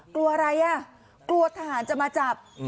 กลัวอะไรอ่ะกลัวทหารจะมาจับ